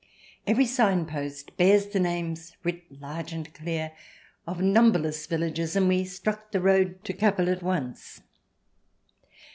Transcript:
Every sign post bears the names, writ large and clear, of numberless villages, and we struck the road to Cappel at once.